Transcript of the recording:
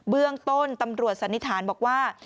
เบื้องต้นตำรวจสันนิษฐานบอกว่า